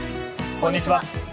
こんにちは。